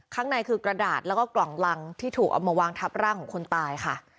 ข้างในคือกระดาษแล้วก็กล่องลังที่ถูกเอามาวางทับร่างของคนตายค่ะ